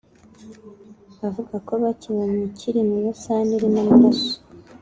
bavuga ko bakibonye kiri mu ibesani irimo amaraso